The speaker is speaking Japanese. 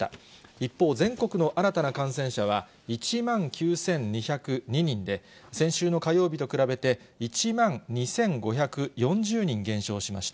一方、全国の新たな感染者は１万９２０２人で、先週の火曜日と比べて、１万２５４０人減少しました。